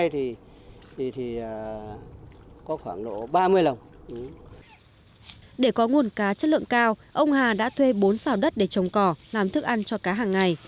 trong năm cao ông hà đã thuê bốn xào đất để trồng cỏ làm thức ăn cho cá hàng ngày